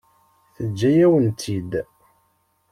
Teǧǧa-yawen-tt-id?